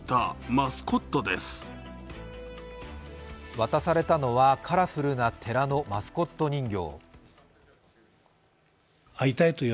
渡されたのは、カラフルな寺のマスコット人形。